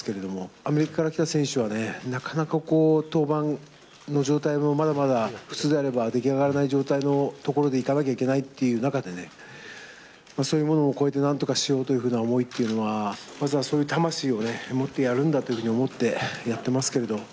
アメリカから来た選手はなかなか登板の状態がまだまだ普通であれば出来上がらない状態の中でいかなきゃいけないという中でそういうものを超えて何とかしようというような思いというのはそういう魂を持ってやるんだと思ってやっていますけど。